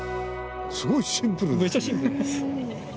すごいシンプルですね。